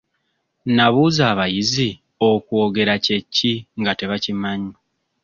Nnabuuza abayizi okwogera kye ki nga tebakimanyi.